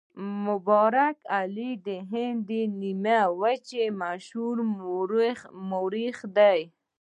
مبارک علي د هند د نیمې وچې مشهور مورخ دی.